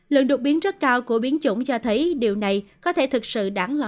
lượng đột biến rất cao của biến chủng cho thấy điều này có thể thực sự đáng loạn